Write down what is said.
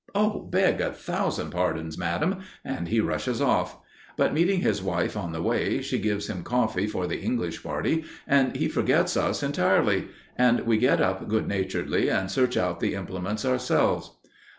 "Oh, beg a thousand pardons, madam!" and he rushes off; but meeting his wife on the way, she gives him coffee for the English party, and he forgets us entirely, and we get up good naturedly and search out the implements ourselves.